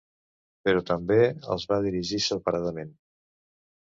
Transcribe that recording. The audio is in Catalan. Però també els va dirigir separadament.